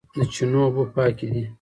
د چینو اوبه پاکې دي